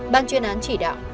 ban chuyên án chỉ đạo